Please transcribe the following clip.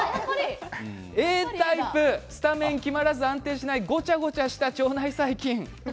Ａタイプ、スタメン決まらず安定しないごちゃごちゃした腸内細菌。